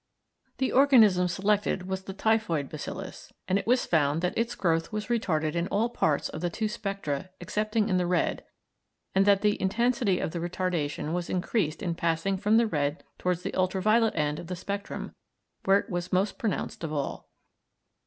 The organism selected was the typhoid bacillus, and it was found that its growth was retarded in all parts of the two spectra excepting in the red, and that the intensity of the retardation was increased in passing from the red towards the ultraviolet end of the spectrum, where it was most pronounced of all.